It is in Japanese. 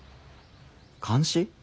監視？